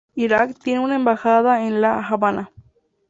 Iraq tiene una embajada en La Habana.